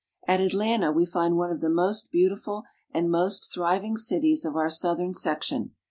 At Atlanta we find one of the most beautiful and most thriving cities of our southern section.